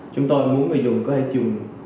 chúng tôi muốn người dùng có thể dùng